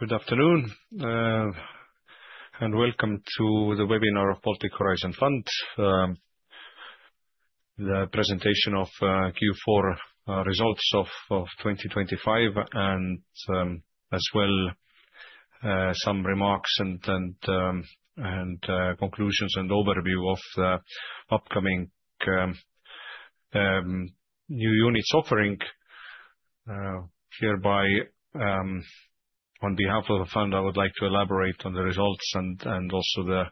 Good afternoon, and welcome to the webinar of Baltic Horizon Fund. The presentation of Q4 results of 2025 and, as well, some remarks and conclusions and overview of the upcoming new units offering. Hereby, on behalf of the fund, I would like to elaborate on the results and also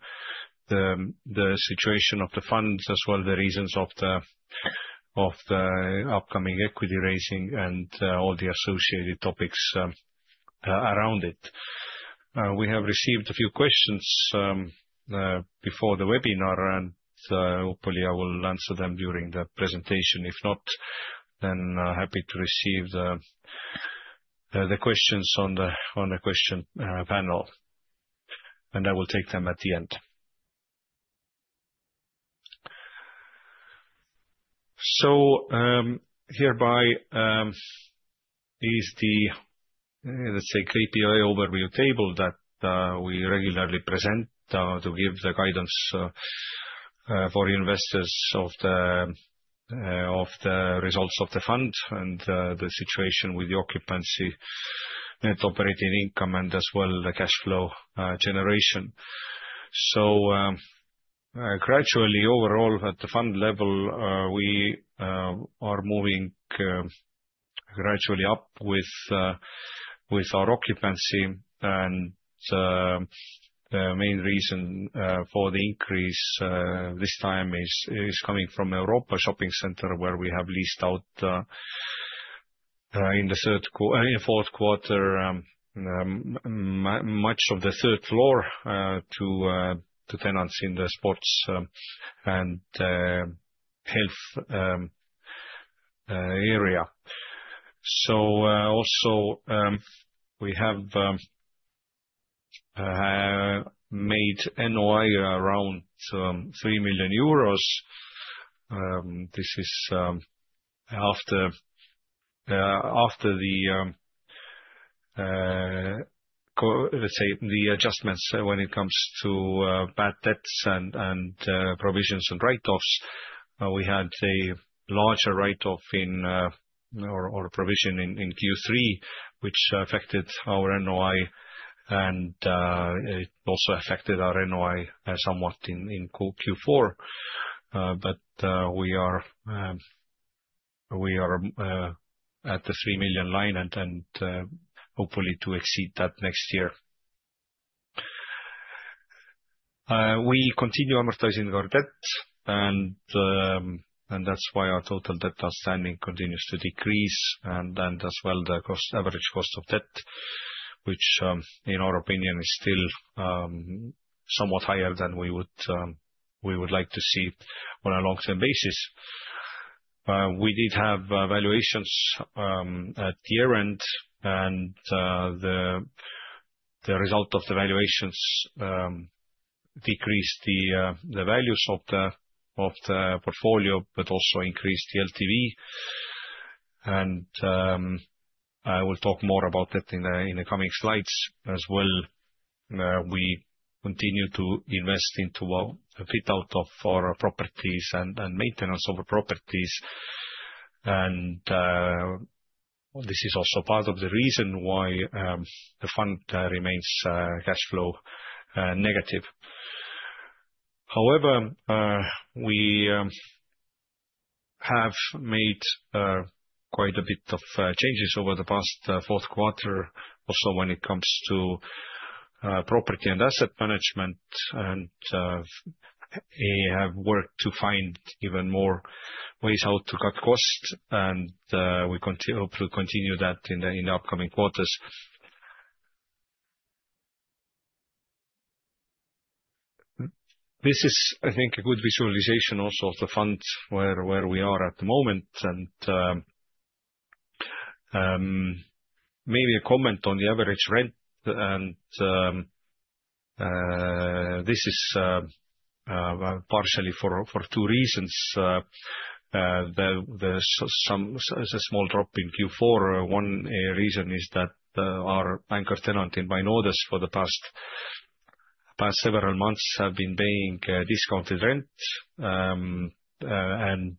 the situation of the funds, as well as the reasons of the upcoming equity raising and all the associated topics around it. We have received a few questions before the webinar, and hopefully I will answer them during the presentation. If not, then happy to receive the questions on the question panel, and I will take them at the end. So, hereby is the, let's say, KPI overview table that we regularly present to give the guidance for investors of the results of the fund and the situation with the occupancy net operating income and as well the cash flow generation. Gradually, overall, at the fund level, we are moving gradually up with our occupancy. And the main reason for the increase this time is coming from Europa Shopping Center, where we have leased out in the fourth quarter much of the third floor to tenants in the sports and health area. So, also, we have made NOI around 3 million euros. This is after the adjustments when it comes to bad debts and provisions and write-offs. We had a larger write-off or a provision in Q3, which affected our NOI, and it also affected our NOI somewhat in Q4. But we are at the 3 million line, and then hopefully to exceed that next year. We continue amortizing our debt, and that's why our total debt outstanding continues to decrease. And as well, the average cost of debt, which in our opinion is still somewhat higher than we would like to see on a long-term basis. We did have valuations at year-end, and the result of the valuations decreased the values of the portfolio, but also increased the LTV, and I will talk more about that in the coming slides. As well, we continue to invest into a fit-out of our properties and maintenance of the properties. This is also part of the reason why the fund remains cash flow negative. However, we have made quite a bit of changes over the past fourth quarter, also when it comes to property and asset management, and we have worked to find even more ways how to cut costs, and we hopefully continue that in the upcoming quarters. This is, I think, a good visualization also of the funds, where we are at the moment. And maybe a comment on the average rent and this is partially for two reasons. The, so some, it's a small drop in Q4. One reason is that our anchor tenant in Vainodes I for the past several months have been paying discounted rent. And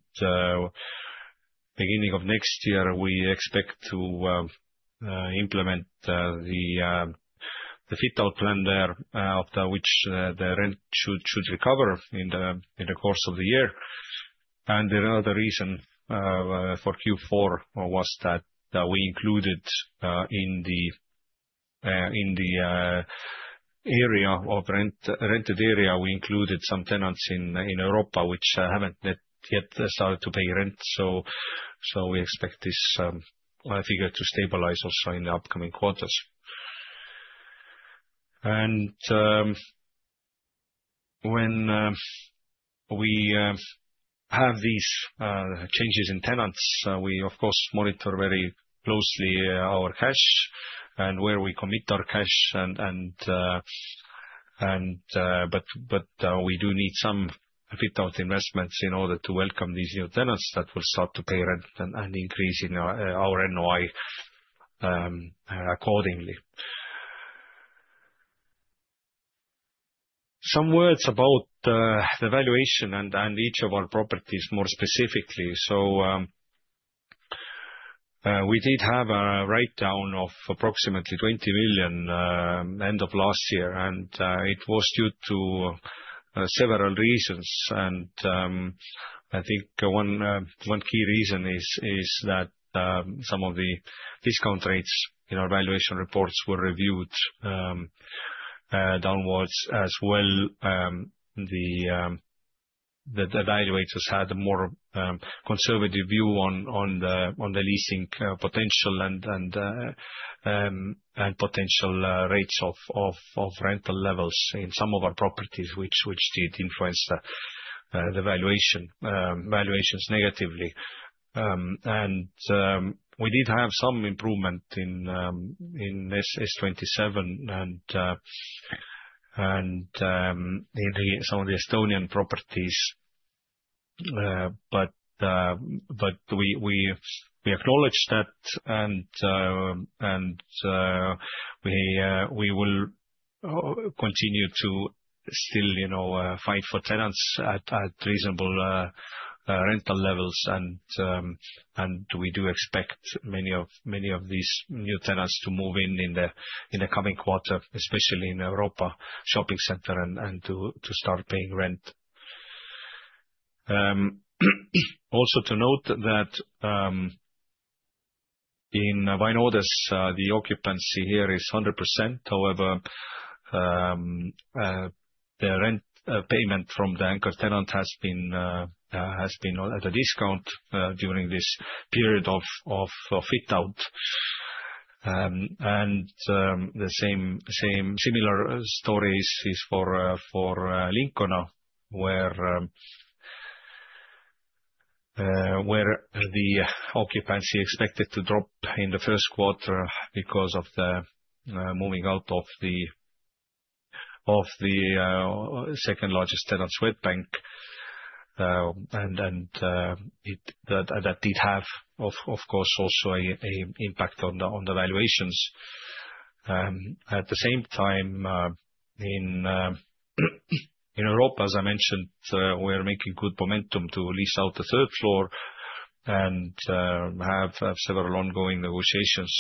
beginning of next year, we expect to implement the fit-out plan there, after which the rent should recover in the course of the year. And another reason for Q4 was that we included in the area of rent, rented area, we included some tenants in Europa, which haven't yet started to pay rent. So we expect this figure to stabilize also in the upcoming quarters. And when we have these changes in tenants, we of course monitor very closely our cash and where we commit our cash. And but we do need some fit-out investments in order to welcome these new tenants that will start to pay rent and increase in our our NOI accordingly. Some words about the valuation and each of our properties, more specifically. So, we did have a write-down of approximately 20 million end of last year, and it was due to several reasons. I think one key reason is that some of the discount rates in our valuation reports were reviewed downwards as well, the evaluators had a more conservative view on the leasing potential and potential rates of rental levels in some of our properties, which did influence the valuations negatively. And we did have some improvement in this S27 and in some of the Estonian properties. But we acknowledge that and we will continue to still, you know, fight for tenants at reasonable rental levels. And we do expect many of these new tenants to move in in the coming quarter, especially in Europa Shopping Center and to start paying rent. Also to note that in Vainodes I the occupancy here is 100%. However, the rent payment from the anchor tenant has been at a discount during this period of fit-out. And the same similar stories is for Lincona, where the occupancy expected to drop in the first quarter because of the moving out of the second largest tenant, Swedbank. And then, it... That did have, of course, also a impact on the valuations. At the same time, in Europa, as I mentioned, we're making good momentum to lease out the third floor and have several ongoing negotiations.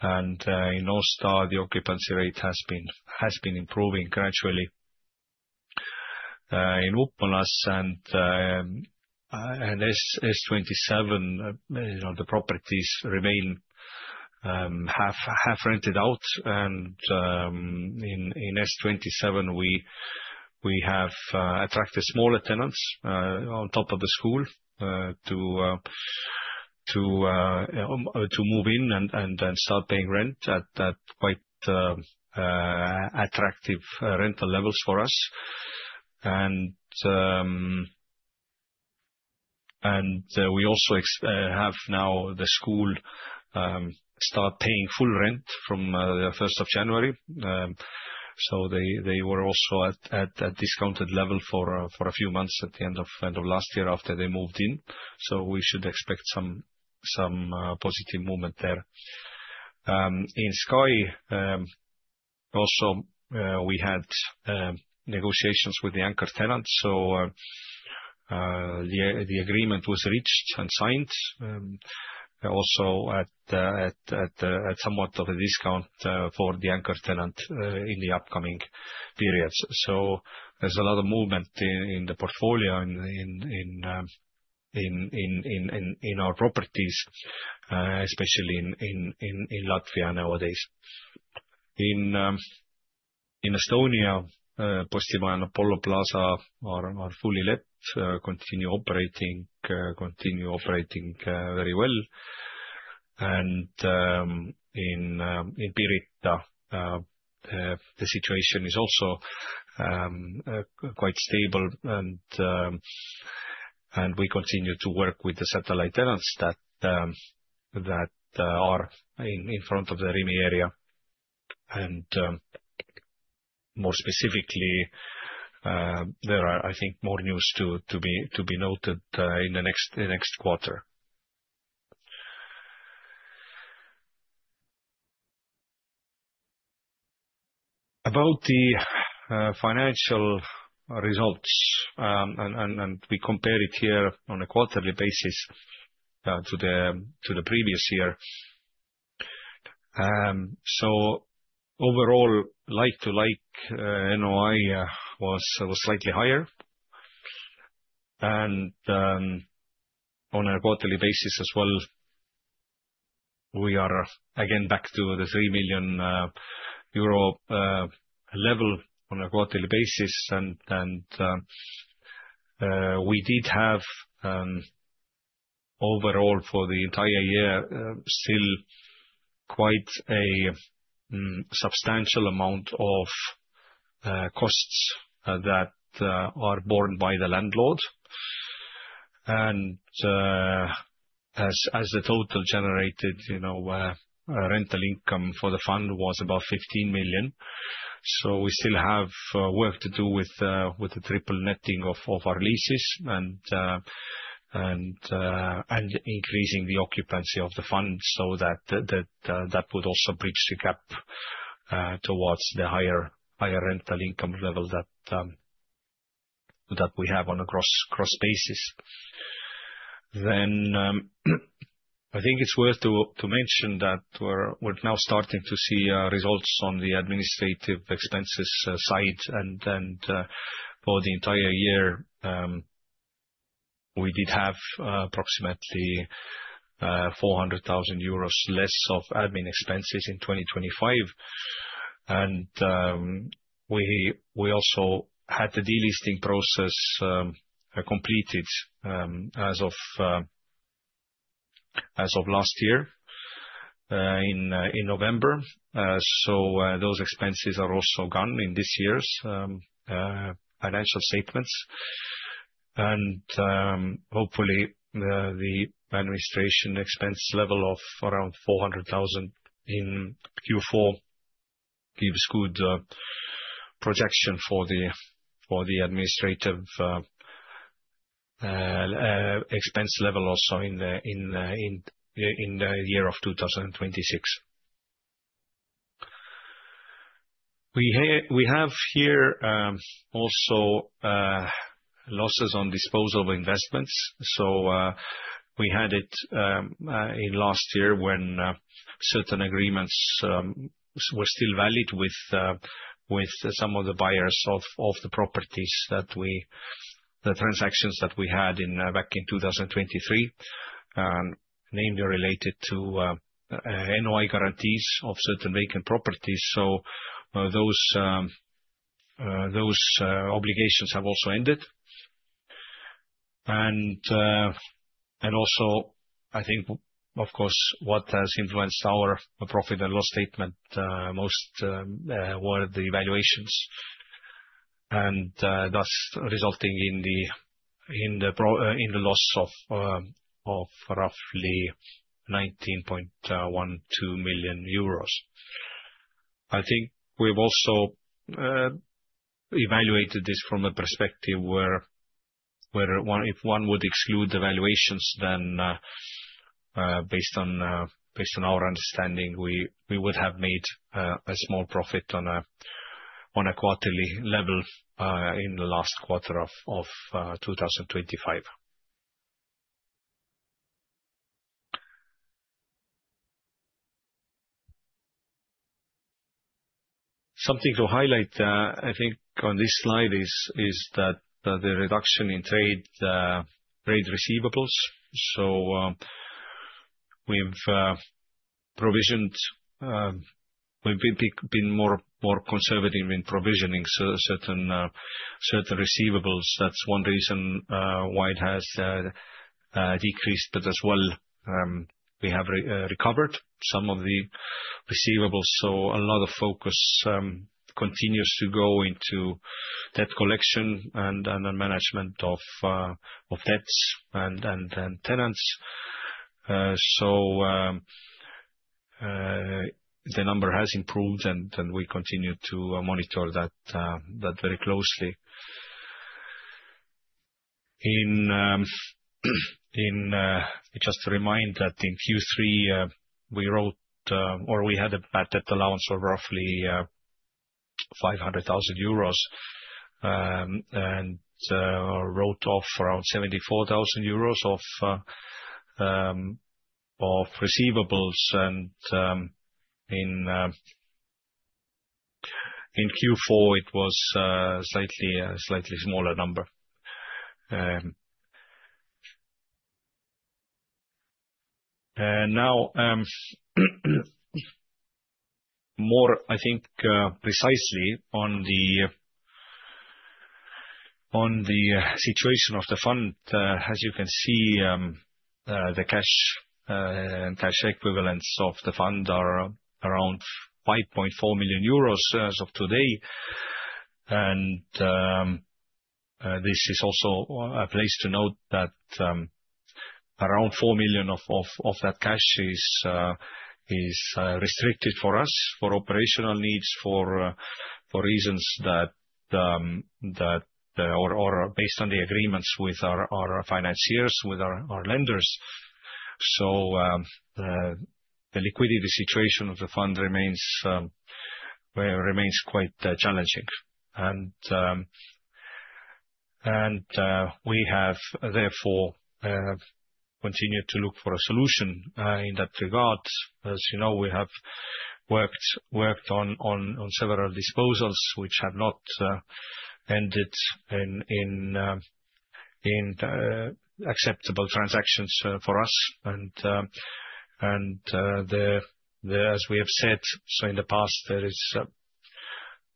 And in North Star, the occupancy rate has been improving gradually. In Upmalas Biroji and S27, you know, the properties remain half rented out. In S27, we have attracted smaller tenants on top of the school to move in and start paying rent at quite attractive rental levels for us. We also have now the school start paying full rent from the first of January. So they were also at a discounted level for a few months at the end of last year after they moved in, so we should expect some positive movement there. In Sky, also we had negotiations with the anchor tenant. So, the agreement was reached and signed, also at somewhat of a discount, for the anchor tenant, in the upcoming periods. So there's a lot of movement in the portfolio, in our properties, especially in Latvia nowadays. In Estonia, Postimaja and Apollo Plaza are fully let, continue operating very well. And, in Pirita, the situation is also quite stable, and we continue to work with the satellite tenants that are in front of the Rimi area. And, more specifically, there are, I think, more news to be noted, in the next quarter. About the financial results, and we compare it here on a quarterly basis to the previous year. So overall, like to like, NOI was slightly higher. And on a quarterly basis as well, we are again back to the 3 million euro level on a quarterly basis. And we did have overall for the entire year still quite a substantial amount of costs that are borne by the landlord. And as the total generated, you know, rental income for the fund was about 15 million. So we still have work to do with the triple netting of our leases and increasing the occupancy of the fund so that that would also bridge the gap towards the higher rental income level that we have on a gross basis. Then I think it's worth to mention that we're now starting to see results on the administrative expenses side, and then for the entire year we did have approximately 400,000 euros less of admin expenses in 2025. We also had the delisting process completed as of last year in November. So those expenses are also gone in this year's financial statements. Hopefully, the administration expense level of around 400,000 in Q4 gives good projection for the administrative expense level also in the year of 2026. We have here also losses on disposal investments. We had it in last year when certain agreements were still valid with some of the buyers of the properties, the transactions that we had back in 2023, and mainly related to NOI guarantees of certain vacant properties. Those obligations have also ended. I think, of course, what has influenced our profit and loss statement most were the valuations, and thus resulting in the loss of roughly 19.12 million euros. I think we've also evaluated this from a perspective where one—if one would exclude the valuations, then based on our understanding, we would have made a small profit on a quarterly level in the last quarter of 2025. Something to highlight, I think on this slide is that the reduction in trade receivables. So, we've been more conservative in provisioning so certain receivables. That's one reason why it has decreased, but as well, we have recovered some of the receivables. So a lot of focus continues to go into debt collection and the management of debts and tenants. So, the number has improved, and we continue to monitor that very closely. In just to remind that in Q3, we wrote or we had a bad debt allowance of roughly 500,000 euros, and wrote off around 74,000 euros of receivables and in Q4, it was slightly smaller number. And now, more, I think, precisely on the situation of the fund, as you can see, the cash and cash equivalents of the fund are around 5.4 million euros as of today. And this is also a place to note that, around 4 million of that cash is restricted for us for operational needs, for reasons that or are based on the agreements with our financiers, with our lenders. So, the liquidity situation of the fund remains, well, remains quite challenging. And we have, therefore, continued to look for a solution in that regard. As you know, we have worked on several disposals which have not ended in acceptable transactions for us, and as we have said so in the past,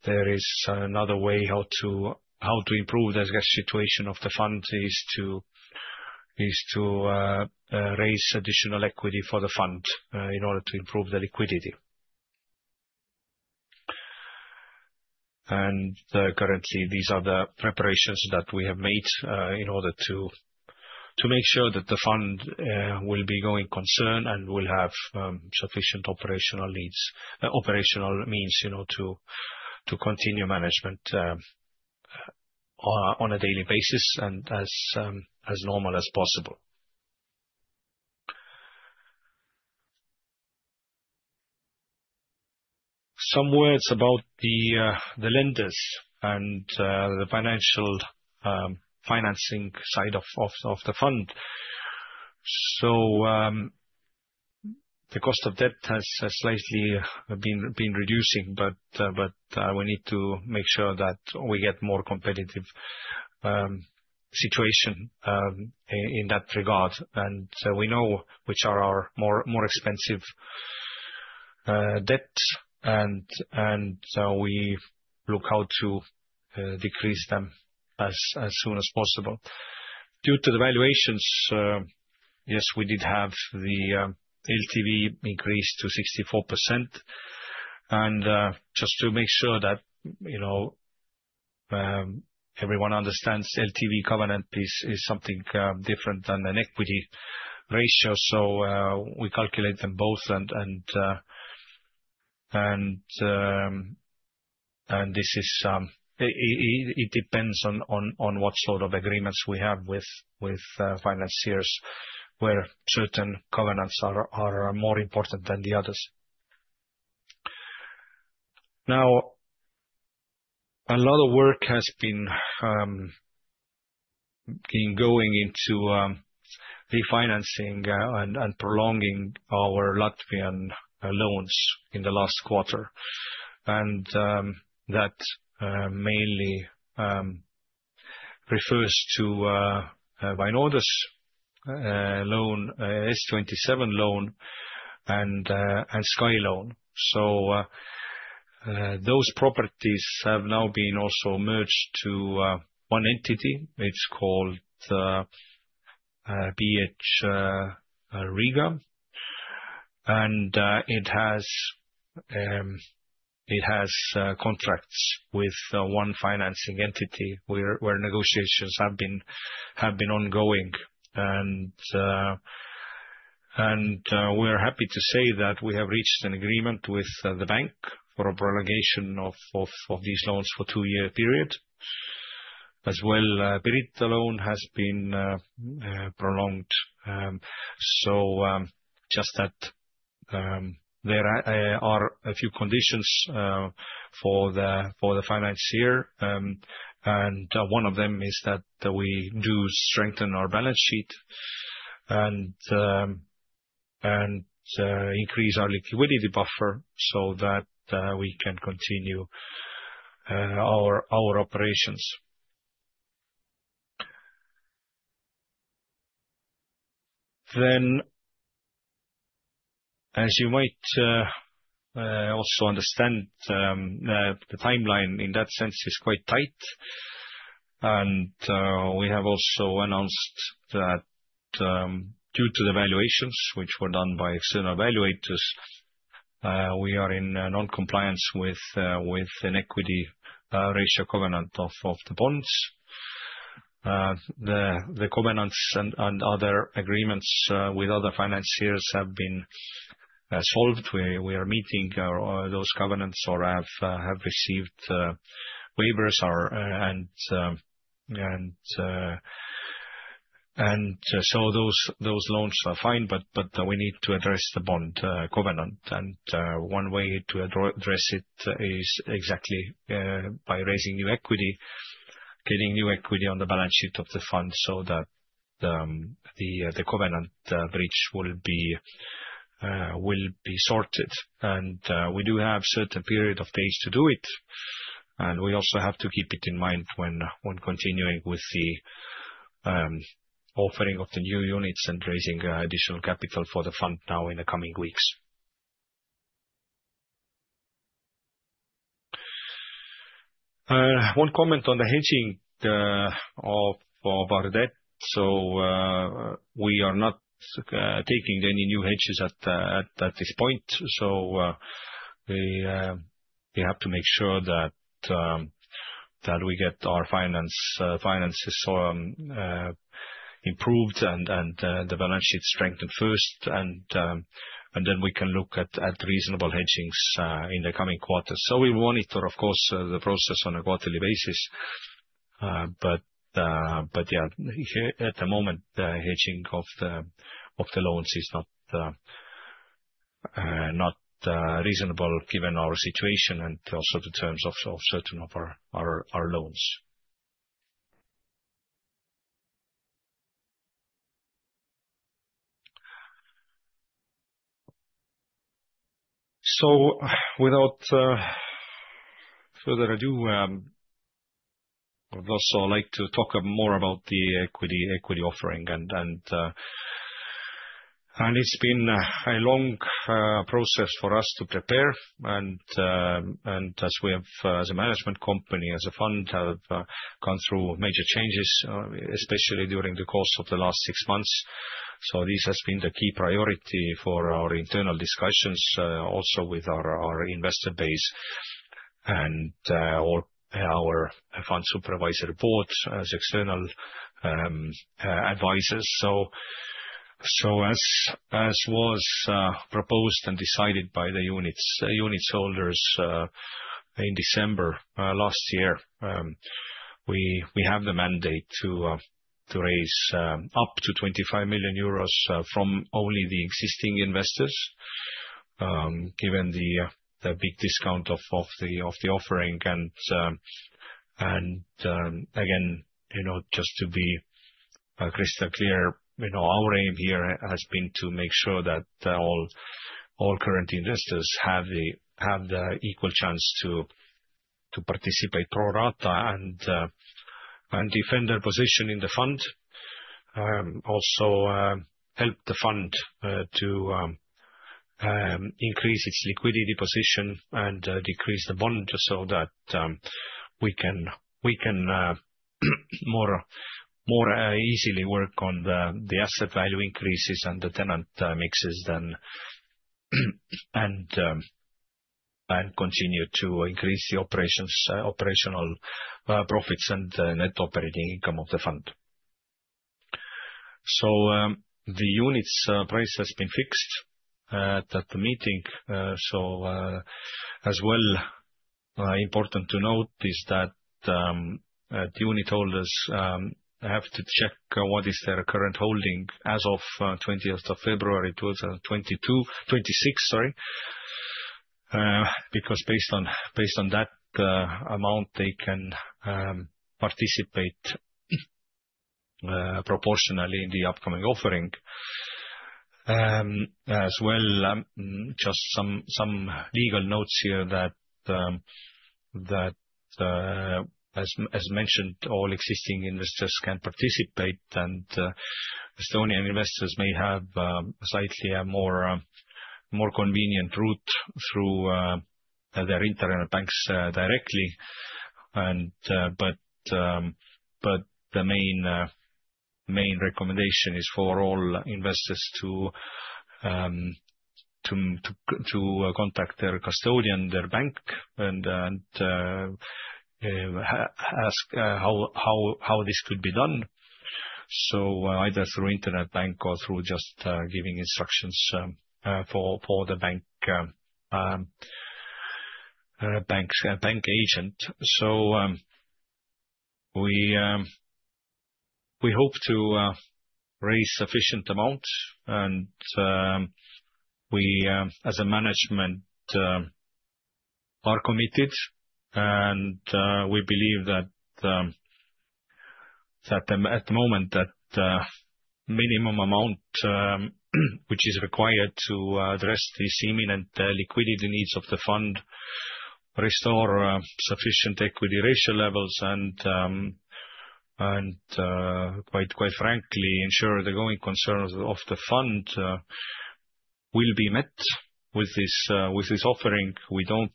there is another way how to improve the situation of the fund is to raise additional equity for the fund in order to improve the liquidity. Currently these are the preparations that we have made in order to make sure that the fund will be going concern and will have sufficient operational means, you know, to continue management on a daily basis and as normal as possible. Some words about the lenders and the financial financing side of the fund. So, the cost of debt has slightly been reducing, but we need to make sure that we get more competitive situation in that regard. And we know which are our more expensive debt, and we look how to decrease them as soon as possible. Due to the valuations, yes, we did have the LTV increase to 64%. And just to make sure that, you know, everyone understands LTV covenant is something different than an equity ratio. So, we calculate them both and this is... It depends on what sort of agreements we have with financiers, where certain covenants are more important than the others. Now, a lot of work has been going into refinancing and prolonging our Latvian loans in the last quarter. And, that mainly refers to Vainodes I loan, S27 loan, and Sky loan. So, those properties have now also been merged to one entity. It's called BH Riga, and it has contracts with one financing entity, where negotiations have been ongoing. And, we're happy to say that we have reached an agreement with the bank for a prolongation of these loans for two-year period. As well, Pirita loan has been prolonged. Just that there are a few conditions for the financier. One of them is that we do strengthen our balance sheet and increase our liquidity buffer so that we can continue our operations. As you might also understand, the timeline in that sense is quite tight. We have also announced that, due to the valuations which were done by external evaluators, we are in non-compliance with an equity ratio covenant of the bonds. The covenants and other agreements with other financiers have been solved. We are meeting those covenants or have received waivers and so those loans are fine, but we need to address the bond covenant. And one way to address it is exactly by raising new equity, getting new equity on the balance sheet of the fund so that the covenant bridge will be sorted. And we do have certain period of days to do it, and we also have to keep it in mind when continuing with the offering of the new units and raising additional capital for the fund now in the coming weeks. One comment on the hedging of our debt. So we are not taking any new hedges at this point. So, we have to make sure that we get our finances improved and the balance sheet strengthened first, and then we can look at reasonable hedgings in the coming quarters. So we monitor, of course, the process on a quarterly basis, but, yeah, here at the moment, the hedging of the loans is not reasonable given our situation and also the terms of certain of our loans. So without further ado, I'd also like to talk more about the equity offering and... And it's been a long process for us to prepare, and as we have, as a management company, as a fund, have gone through major changes, especially during the course of the last six months. So this has been the key priority for our internal discussions, also with our investor base... And, or our fund supervisor board as external advisors. So as was proposed and decided by the unit holders in December last year, we have the mandate to raise up to 25 million euros from only the existing investors, given the big discount of the offering and again, you know, just to be crystal clear, you know, our aim here has been to make sure that all current investors have the equal chance to participate pro rata and defend their position in the fund. Also, help the fund to increase its liquidity position and decrease the bond so that we can more easily work on the asset value increases and the tenant mixes then, and continue to increase the operational profits and net operating income of the fund. The units price has been fixed at the meeting. As well, important to note is that the unit holders have to check what is their current holding as of 20th of February towards 22... 26th, sorry. Because based on that amount, they can participate proportionally in the upcoming offering. As well, just some legal notes here that, as mentioned, all existing investors can participate and, Estonian investors may have slightly a more convenient route through their internet banks directly. But the main recommendation is for all investors to contact their custodian, their bank, and ask how this could be done. So, either through internet bank or through just giving instructions for the bank agent. So we hope to raise sufficient amounts and, as a management, are committed and we believe that at the moment that minimum amount which is required to address this imminent liquidity needs of the fund, restore sufficient equity ratio levels and, and quite frankly, ensure the going concerns of the fund will be met with this offering. We don't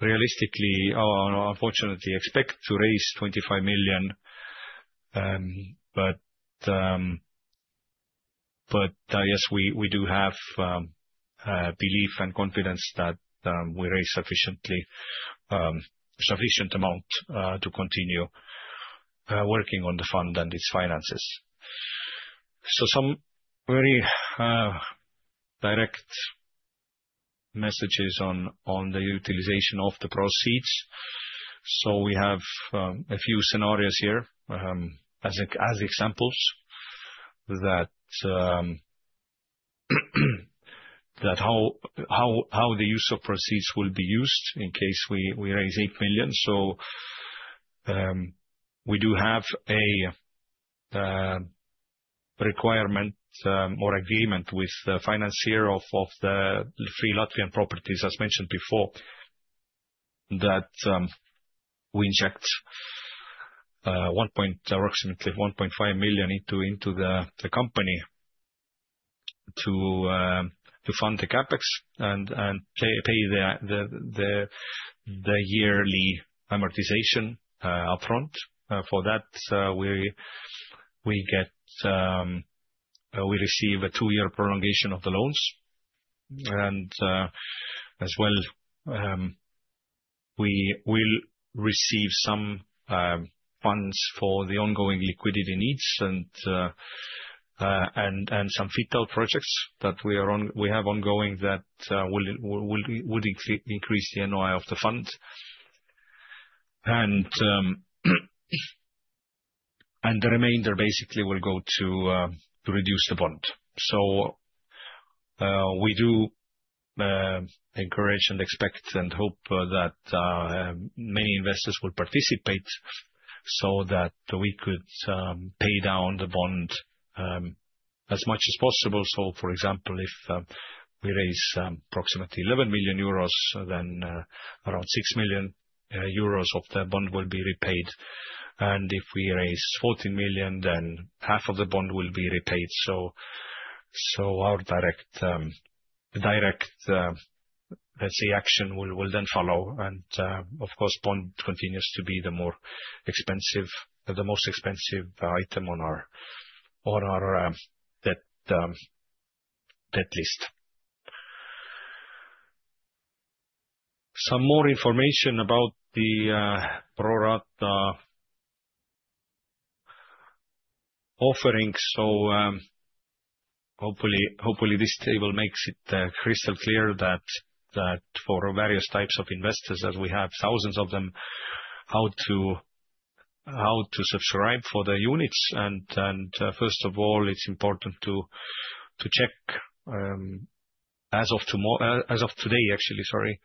realistically or unfortunately expect to raise 25 million. But yes, we do have belief and confidence that we raise sufficiently sufficient amount to continue working on the fund and its finances. So some very direct messages on the utilization of the proceeds. So we have a few scenarios here as examples that how the use of proceeds will be used in case we raise 8 million. So we do have a requirement or agreement with the financier of the three Latvian properties, as mentioned before, that we inject approximately 1.5 million into the company to fund the CapEx and pay the yearly amortization upfront. For that we receive a 2-year prolongation of the loans. As well, we will receive some funds for the ongoing liquidity needs and some capital projects that we have ongoing that will increase the NOI of the fund. The remainder basically will go to reduce the bond. We encourage and expect and hope that many investors will participate so that we could pay down the bond as much as possible. For example, if we raise approximately 11 million euros, then around 6 million euros of the bond will be repaid. And if we raise 14 million, then half of the bond will be repaid. So our direct, let's say, action will then follow. Of course, bond continues to be the more expensive, the most expensive item on our that list. Some more information about the pro rata offering. So, hopefully, hopefully this table makes it crystal clear that for various types of investors, that we have thousands of them, how to subscribe for the units. And, first of all, it's important to check as of tomorrow- as of today, actually, sorry,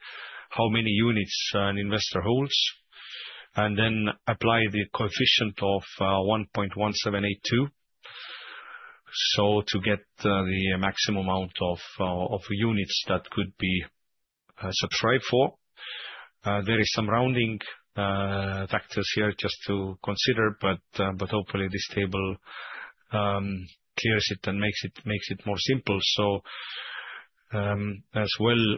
how many units an investor holds, and then apply the coefficient of 1.1782. So to get the maximum amount of units that could be subscribed for. There is some rounding factors here just to consider, but hopefully this table clears it and makes it more simple. So, as well,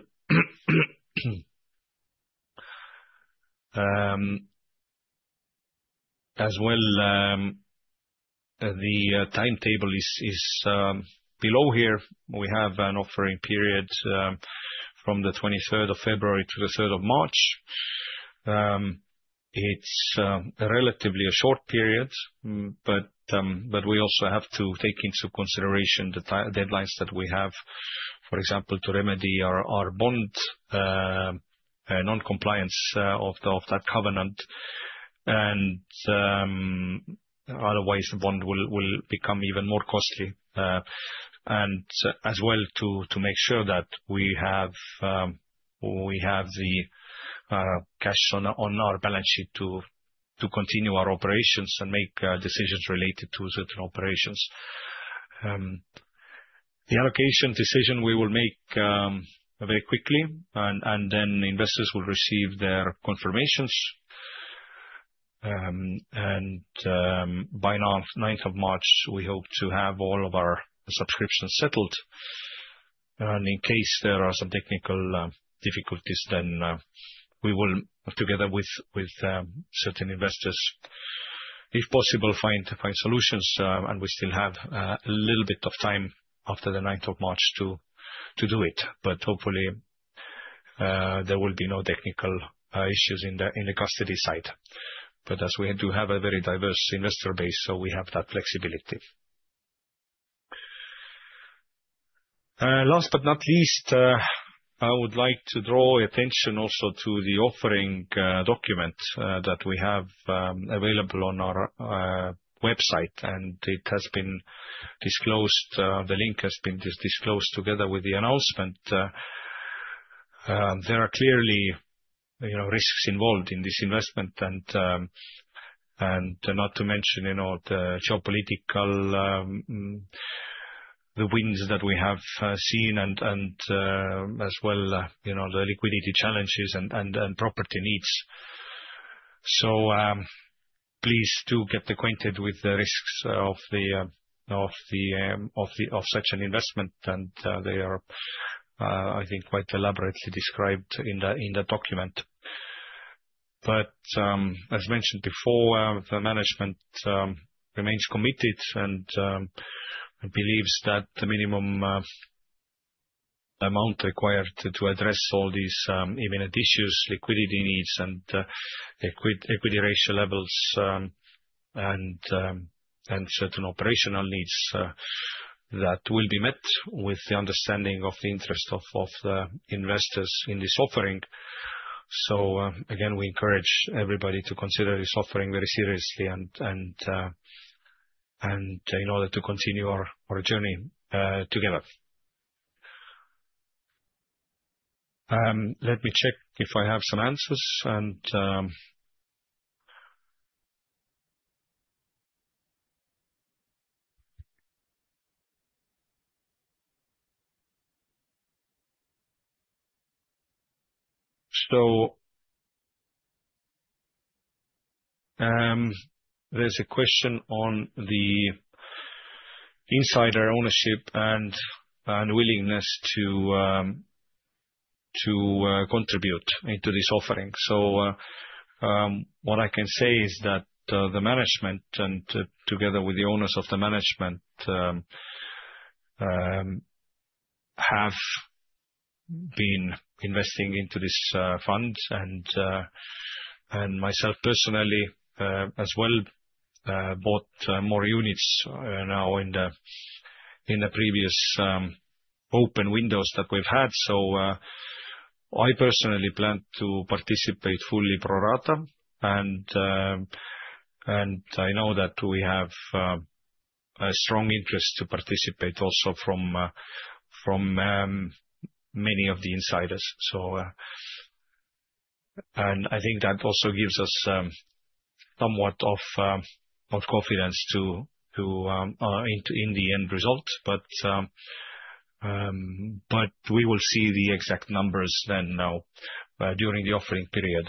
as well, the timetable is below here. We have an offering period from the 23rd of February to the 3rd of March. It's a relatively short period, but we also have to take into consideration the deadlines that we have, for example, to remedy our bond non-compliance of that covenant. And, otherwise, the bond will become even more costly, and as well to make sure that we have the cash on our balance sheet to continue our operations and make decisions related to certain operations. The allocation decision we will make very quickly, and then investors will receive their confirmations. By now, 9th of March, we hope to have all of our subscriptions settled. In case there are some technical difficulties, then we will, together with certain investors, if possible, find solutions, and we still have a little bit of time after the 9th of March to do it. But hopefully, there will be no technical issues in the custody side. But as we do have a very diverse investor base, so we have that flexibility. Last but not least, I would like to draw attention also to the offering document that we have available on our website, and it has been disclosed, the link has been disclosed together with the announcement. There are clearly, you know, risks involved in this investment, and not to mention, you know, the geopolitical winds that we have seen and, as well, you know, the liquidity challenges and property needs. So, please do get acquainted with the risks of such an investment, and they are, I think, quite elaborately described in the document. But, as mentioned before, the management remains committed and believes that the minimum amount required to address all these imminent issues, liquidity needs and equity ratio levels, and certain operational needs that will be met with the understanding of the interest of the investors in this offering. So, again, we encourage everybody to consider this offering very seriously and, and, and in order to continue our, our journey, together. Let me check if I have some answers, and... So, there's a question on the insider ownership and, and willingness to, to, contribute into this offering. So, what I can say is that, the management and together with the owners of the management, have been investing into this, fund, and, and myself personally, as well, bought, more units, now in the, in the previous, open windows that we've had. So, I personally plan to participate fully pro rata, and, and I know that we have, a strong interest to participate also from, from, many of the insiders. And I think that also gives us somewhat of confidence to in the end result. But we will see the exact numbers then now during the offering period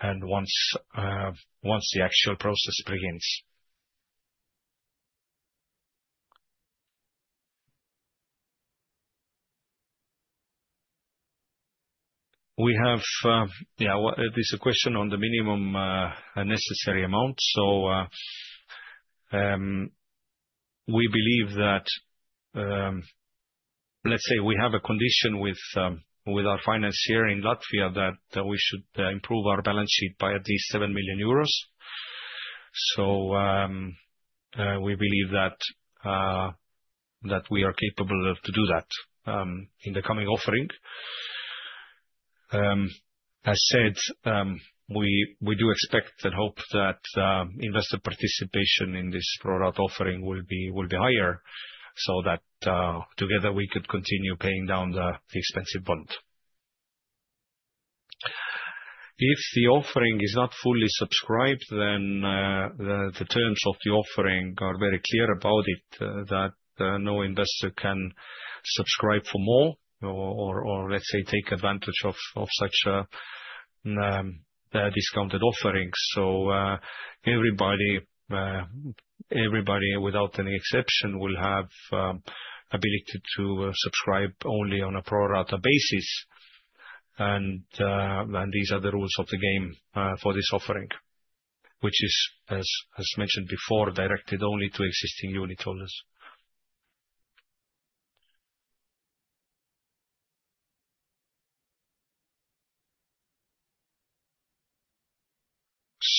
and once the actual process begins. We have, yeah, well, this a question on the minimum necessary amount. So, we believe that, let's say we have a condition with our financier in Latvia, that we should improve our balance sheet by at least 7 million euros. So, we believe that we are capable of to do that in the coming offering. As said, we do expect and hope that investor participation in this pro rata offering will be higher, so that together we could continue paying down the expensive bond. If the offering is not fully subscribed, then the terms of the offering are very clear about it that no investor can subscribe for more, or let's say, take advantage of such a discounted offerings. So, everybody without any exception will have ability to subscribe only on a pro rata basis. And these are the rules of the game for this offering, which is, as mentioned before, directed only to existing unit owners.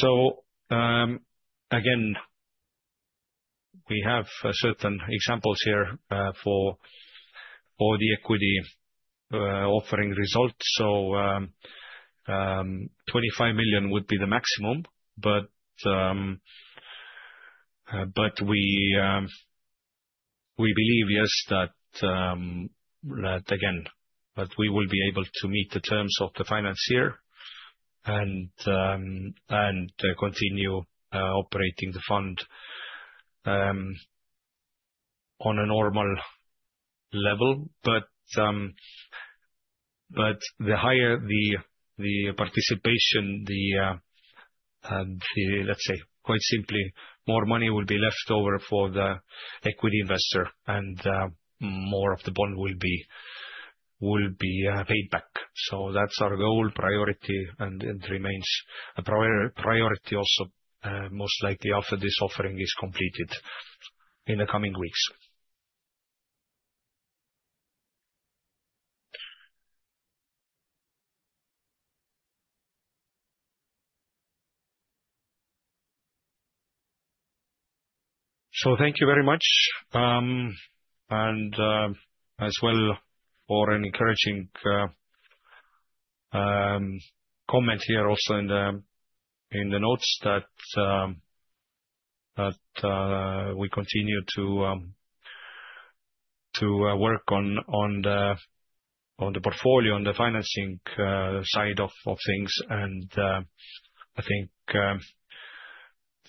So, again, we have certain examples here for the equity offering results. So, 25 million would be the maximum, but we believe, yes, that again we will be able to meet the terms of the financier, and continue operating the fund on a normal level. But the higher the participation, the, let's say, quite simply, more money will be left over for the equity investor, and more of the bond will be paid back. So that's our goal, priority, and it remains a priority also, most likely after this offering is completed in the coming weeks. So thank you very much, and as well, for an encouraging comment here also in the notes that we continue to work on the portfolio, on the financing side of things. And I think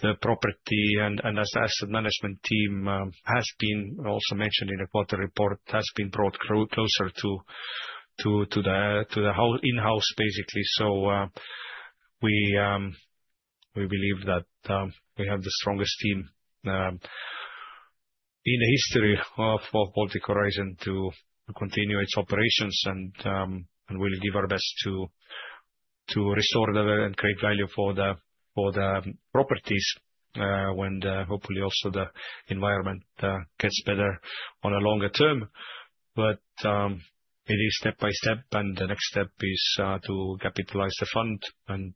the property and asset management team has been also mentioned in the quarter report, has been brought closer to the in-house, basically. So we believe that we have the strongest team in the history for Baltic Horizon to continue its operations, and we'll give our best to restore the value and create value for the properties when hopefully also the environment gets better on a longer term. But it is step by step, and the next step is to capitalize the fund and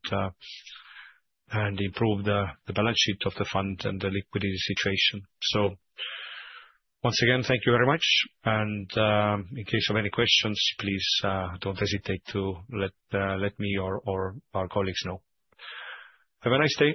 improve the balance sheet of the fund and the liquidity situation. So once again, thank you very much, and in case of any questions, please don't hesitate to let me or our colleagues know. Have a nice day.